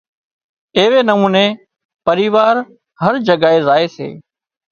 ايوي نموني پريوار هر جگائي زائي سي